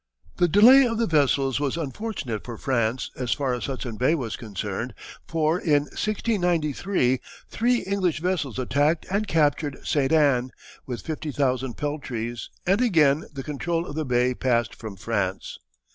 The delay of the vessels was unfortunate for France as far as Hudson Bay was concerned, for in 1693 three English vessels attacked and captured St. Anne, with fifty thousand peltries, and again the control of the bay passed from France.